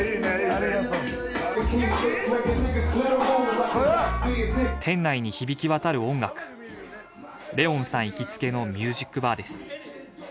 ありがとう店内に響き渡る音楽怜音さん行きつけのミュージックバーです